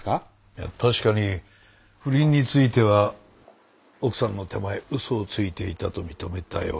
いや確かに不倫については奥さんの手前嘘をついていたと認めたよ。